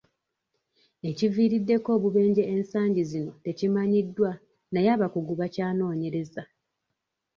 Ekiviiriddeko obubenje ensangi zino tekimanyiddwa naye abakugu bakyanoonyereza.